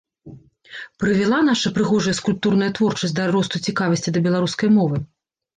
Прывяла наша прыгожая скульптурная творчасць да росту цікавасці да беларускай мовы?